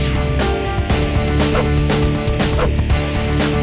sudah hampir misal hari ini